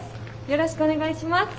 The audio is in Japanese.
よろしくお願いします。